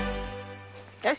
よし！